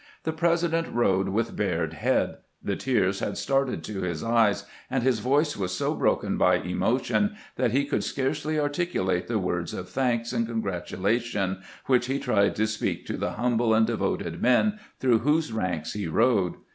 The President rode with bared head ; the tears had started to his eyes, and his voice was so broken by emotion that he could scarcely articulate the words of thanks and congratulation which he tried to speak to the humble and devoted men through whose ranks he rode.